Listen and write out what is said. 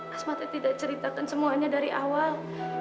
asma tuh tidak ceritakan semuanya dari awal